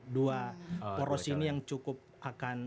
dua poros ini yang cukup akan